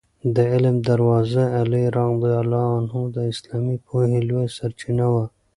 د علم دروازه علي رض د اسلامي پوهې لویه سرچینه وه.